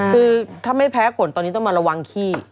คือถ้าไม่แพ้ผลตอนนี้ต้องมาระวังขี้